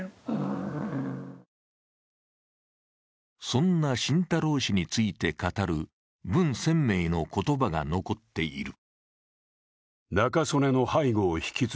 そんな晋太郎氏について語る文鮮明の言葉が残っている。